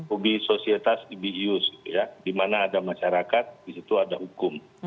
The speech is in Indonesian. ubi sosietas ibi ius ya di mana ada masyarakat di situ ada hukum